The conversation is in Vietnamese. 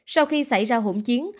sau khi xảy ra hỗn chiến